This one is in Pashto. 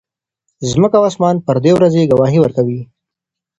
ځمکه او اسمان پر دې ورځې ګواهي ورکوي.